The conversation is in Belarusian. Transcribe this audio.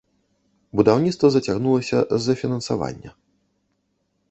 Будаўніцтва зацягнулася з-за фінансавання.